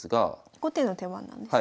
後手の手番なんですね。